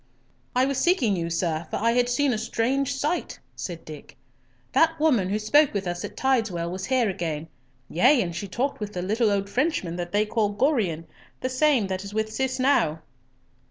"I was seeking you, sir, for I had seen a strange sight," said Dick. "That woman who spoke with us at Tideswell was here again; yea, and she talked with the little old Frenchman that they call Gorion, the same that is with Cis now."